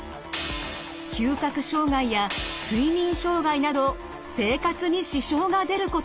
嗅覚障害や睡眠障害など生活に支障が出ることも。